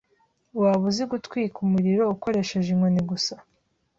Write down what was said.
Waba uzi gutwika umuriro ukoresheje inkoni gusa?